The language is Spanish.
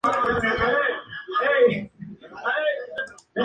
Es originaria de Filipinas.